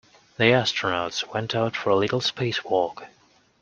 The astronauts went out for a little spacewalk.